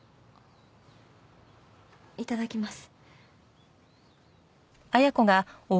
いただきます。